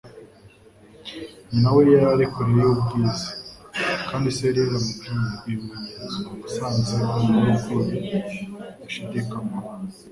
Nyina we yari kure yubwiza, kandi se yari yaramubwiye ibimenyetso yasanze umugore ukwiye bidashidikanywaho.